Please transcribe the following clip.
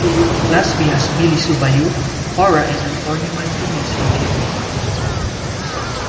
Class B has Billy-Sue Bayou, Cora and Antonio Martinez, and Jake.